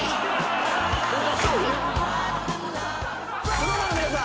ＳｎｏｗＭａｎの皆さん。